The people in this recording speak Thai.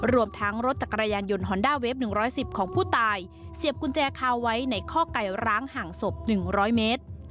รวมทั้งรถจักรยานยนต์ฮอนด้าเวฟ๑๑๐ของผู้ตายเสียบกุญแจคาไว้ในข้อไก่ร้างห่างศพ๑๐๐เมตร